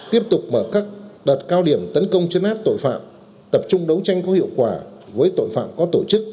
tiếp tục mở các đợt cao điểm tấn công chấn áp tội phạm tập trung đấu tranh có hiệu quả với tội phạm có tổ chức